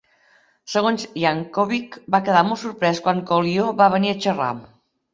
Segons Yankovic, va quedar molt sorprès quan Coolio va venir a xerrar.